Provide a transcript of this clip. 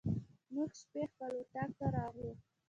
موږ شپې خپل اطاق ته راغلو.